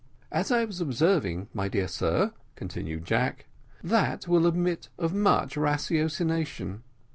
"As I was observing, my dear sir," continued Jack, "that will admit of much ratiocination.